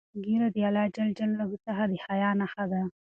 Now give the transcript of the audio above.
ږیره د الله جل جلاله څخه د حیا نښه ده.